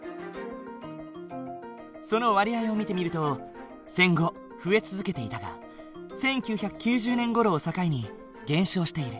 その割合を見てみると戦後増え続けていたが１９９０年ごろを境に減少している。